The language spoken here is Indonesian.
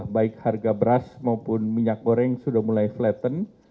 baik harga beras maupun minyak goreng sudah mulai flatten